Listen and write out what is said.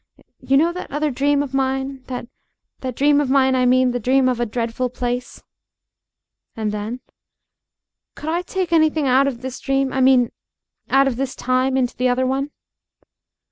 "You know that other dream of mine that dream of mine, I mean, the dream of a dreadful place?" "And then?" "Could I take anything out of this dream I mean out of this time into the other one?"